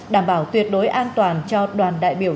đảm bảo tuyệt đối an toàn cho đoàn đại biểu